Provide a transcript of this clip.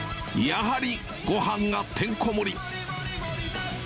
やはり、ごはんがてんこ盛り。